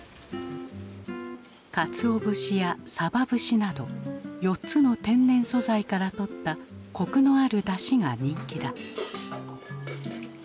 カツオ節やサバ節など４つの天然素材からとったコクのある出汁が人気だ。